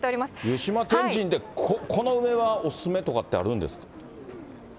湯島天神でこの梅はお勧めとかってあるんですか。